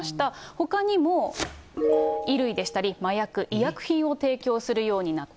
ほかにも、衣類でしたり、麻薬、医薬品を提供するようになった。